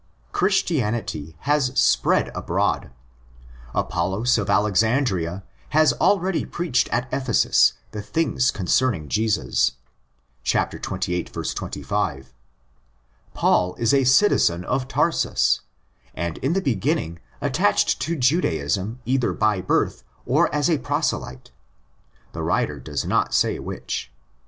Christianity has spread abroad. Apollos of Alexandria has already preached at Ephesus 96 THE ACTS OF THE APOSTLES '' the things concerning Jesus" (xviii. 25). Paul isa citizen of Tarsus, and in the beginning attached to Judaism either by birth or as a proselyte ; the writer does not say which.